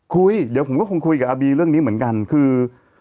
คุยเดี๋ยวผมก็คงคุยกับอาบีเรื่องนี้เหมือนกันคือ